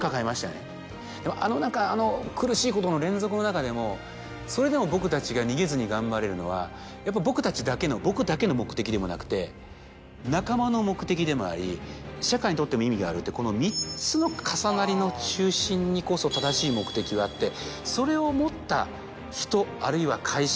でも何かあの苦しいことの連続の中でもそれでも僕たちが逃げずに頑張れるのはやっぱ僕たちだけの僕だけの目的でもなくて仲間の目的でもあり社会にとっても意味があるってこの３つの重なりの中心にこそ正しい目的はあってそれを持った。